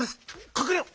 かくれろ！